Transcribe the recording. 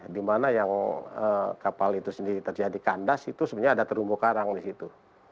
di mana yang kapal itu sendiri terjadi kandas itu sebenarnya ada terumbu karang di situ